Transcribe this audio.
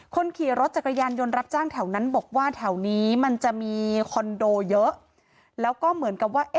คนขี่รถจักรยานยนต์รับจ้างแถวนั้นบอกว่าแถวนี้มันจะมีคอนโดเยอะ